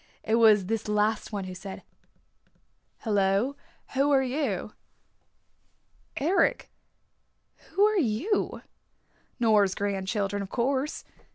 It was this last one who said, "Hello, who are you?" "Eric, who are you?" "Nora's grandchildren, of course.